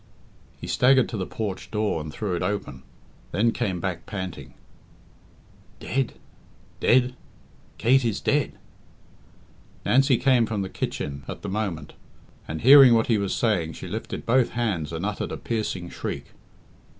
He staggered to the porch door and threw it open, then came back panting "Dead! dead! Kate is dead!" Nancy came from the kitchen at the moment, and hearing what he was saying, she lifted both hands and uttered a piercing shriek.